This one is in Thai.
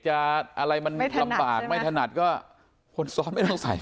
อะไรมันลำบากไม่ถนัดก็คนซ้อนไม่ต้องใส่